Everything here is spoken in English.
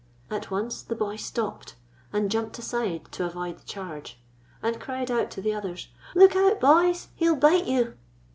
At once the boy stopped, and jumped aside to avoid the charge, and cried out to the others : "Look out, boys, he 'll bite you!"